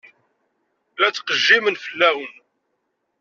La ttqejjimen fell-awen.